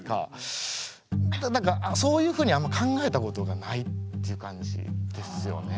何かそういうふうにあんま考えたことがないっていう感じですよね。